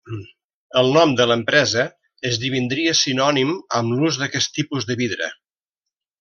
El nom de l'empresa esdevindria sinònim amb l'ús d'aquest tipus de vidre.